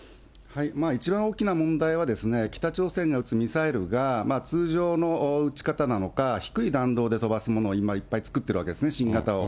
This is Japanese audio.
一番大きな問題は、北朝鮮が撃つミサイルが、通常の撃ち方なのか、低い弾道で飛ばすものを今、いっぱい作ってるわけですね、新型を。